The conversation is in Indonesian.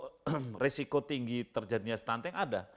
kalau risiko tinggi terjadinya stunting ada